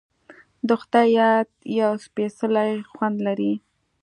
د خدای یاد یو سپیڅلی خوند لري.